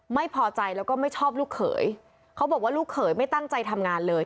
ไม่พอใจแล้วก็ไม่ชอบลูกเขยเขาบอกว่าลูกเขยไม่ตั้งใจทำงานเลย